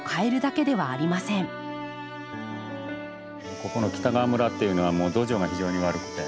ここの北川村っていうのは土壌が非常に悪くて。